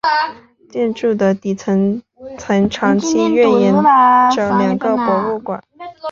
建筑的底层曾长期运营着两个博物馆。